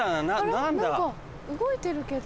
何か動いてるけど。